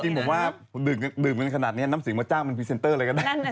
บอกว่าดื่มกันขนาดนี้น้ำสิงมาจ้างเป็นพรีเซนเตอร์เลยก็ได้